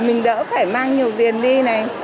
mình đỡ phải mang nhiều tiền đi này